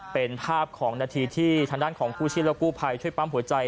เป็นภาพของนาทีที่ทางด้านของกู้ชีพและกู้ภัยช่วยปั๊มหัวใจ